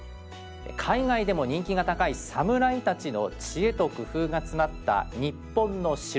海外でも人気が高い「サムライ」たちの知恵と工夫が詰まった日本の城。